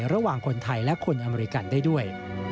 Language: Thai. ระหว่างคนไทยและคนอเมริกันได้ด้วย